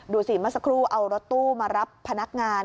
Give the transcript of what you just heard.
ดูสิเมื่อสักครู่เอารถตู้มารับพนักงาน